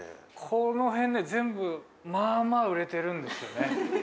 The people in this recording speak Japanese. この辺ね全部まあまあ売れてるんですよね。